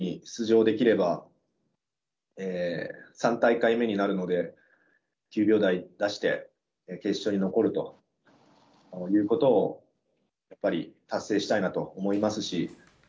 もし、オリンピックに出場できれば、３大会目になるので、９秒台出して、決勝に残るということをやっぱり、達成したいなと思いますし。